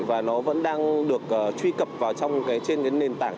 và nó vẫn đang được truy cập vào trên cái nền tảng